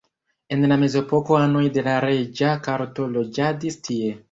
En la mezepoko anoj de la reĝa korto loĝadis tie.